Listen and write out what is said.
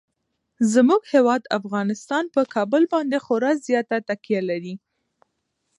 زموږ هیواد افغانستان په کابل باندې خورا زیاته تکیه لري.